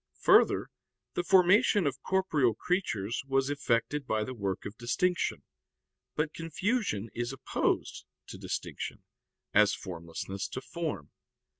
Further, the formation of corporeal creatures was effected by the work of distinction. But confusion is opposed to distinction, as formlessness to form.